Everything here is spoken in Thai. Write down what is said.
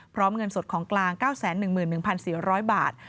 เงินสดของกลาง๙๑๑๔๐๐บาท